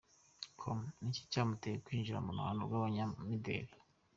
com: Ni iki cyaguteye kwinjira mu ruhando rw’abanyamideli?.